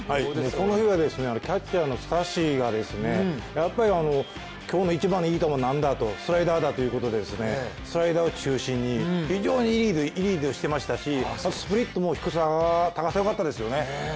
この日はキャッチャーのスタッシがやっぱり、今日の一番のいい球はなんだとスライダーだということでスライダーを中心に非常にいいボールしていましたしスプリットも高さ、低さもよかったですよね。